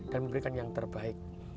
dan memberikan yang terbaik